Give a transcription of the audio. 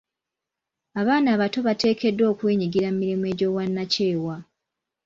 Abaana abato bateekeddwa okwenyigira mirimu egy'obwannakyewa.